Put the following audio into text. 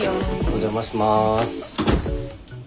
お邪魔します。